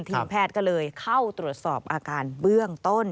ทีมแพทย์ก็เลยเข้าตรวจสอบอาการเบื้องต้น